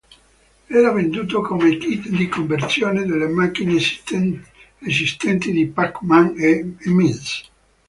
Era venduto come kit di conversione delle macchine esistenti di "Pac-Man" e "Ms.